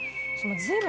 随分。